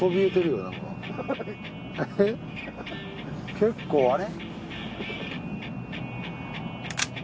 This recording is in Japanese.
結構あれ？